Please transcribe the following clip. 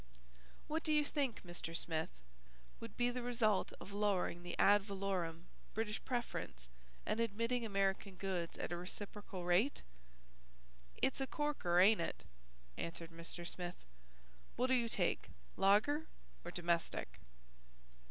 "What do you think, Mr. Smith, would be the result of lowering the ad valorem British preference and admitting American goods at a reciprocal rate?" "It's a corker, ain't it?" answered Mr. Smith. "What'll you take, lager or domestic?"